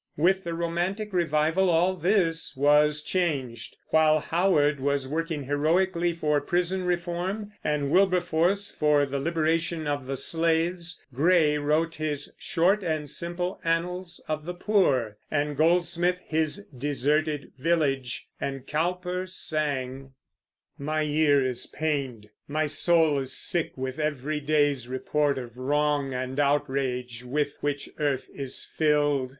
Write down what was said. With the romantic revival all this was changed. While Howard was working heroically for prison reform, and Wilberforce for the liberation of the slaves, Gray wrote his "short and simple annals of the poor," and Goldsmith his Deserted Village, and Cowper sang, My ear is pained, My soul is sick with every day's report Of wrong and outrage with which earth is filled.